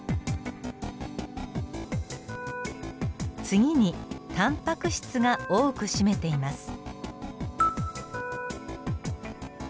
次にタンパク質が多く占めています。